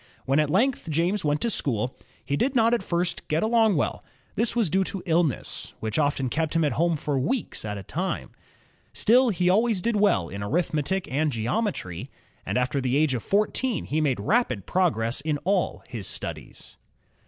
When at length James went to school, he did not at first get along well. This was due to illness, which often kept him at home for weeks at a time. Still, he al ways did well in arithmetic and geometry, and after the age of fourteen he made rapid progress in all his studies.